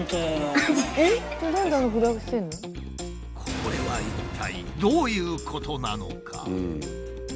これは一体どういうことなのか？